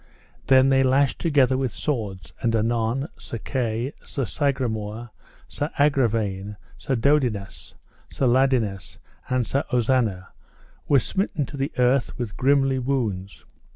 Then they lashed together with swords, and anon Sir Kay, Sir Sagramore, Sir Agravaine, Sir Dodinas, Sir Ladinas, and Sir Ozanna were smitten to the earth with grimly wounds.